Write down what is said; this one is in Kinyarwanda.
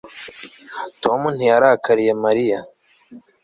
tom ntiyarakariye mariya